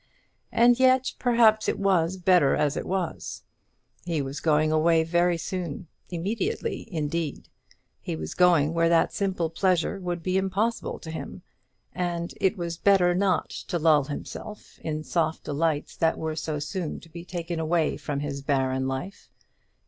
And yet, perhaps, it was better as it was. He was going away very soon immediately, indeed; he was going where that simple pleasure would be impossible to him, and it was better not to lull himself in soft delights that were so soon to be taken away from his barren life.